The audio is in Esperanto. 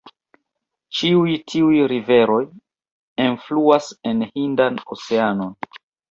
Ĉiuj tiuj riveroj enfluas en Hindan Oceanon.